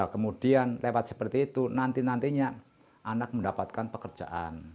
kemudian lewat seperti itu nanti nantinya anak mendapatkan pekerjaan